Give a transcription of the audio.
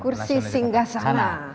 kursi singgah sana